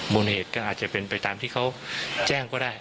นเหตุก็อาจจะเป็นไปตามที่เขาแจ้งก็ได้